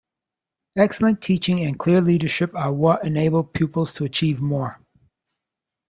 Excellent teaching and clear leadership are what enable pupils to achieve more.